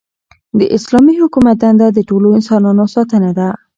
د اسلامي حکومت دنده د ټولو انسانانو ساتنه ده.